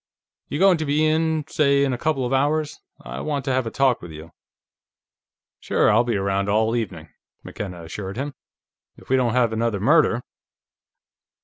"You going to be in, say in a couple of hours? I want to have a talk with you." "Sure. I'll be around all evening," McKenna assured him. "If we don't have another murder."